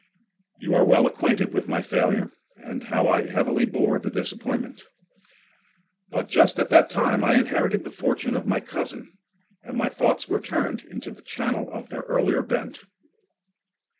You are well acquainted with my failure and how heavily I bore the disappointment. But just at that time I inherited the fortune of my cousin, and my thoughts were turned into the channel of their earlier bent.